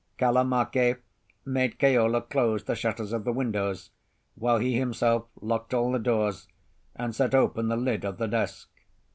Kalamake made Keola close the shutters of the windows, while he himself locked all the doors and set open the lid of the desk.